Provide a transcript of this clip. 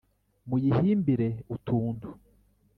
muyihimbire utuntu